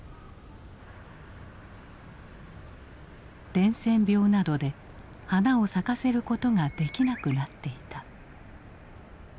伝染病などで花を咲かせることができなくなっていた。